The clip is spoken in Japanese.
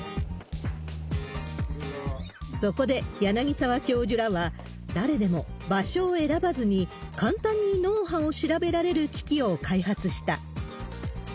そこで柳沢教授らは、誰でも場所を選ばずに簡単に脳波を調べられる機器を開発した。